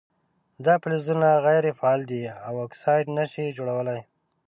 دا فلزونه غیر فعال دي او اکساید نه شي جوړولی.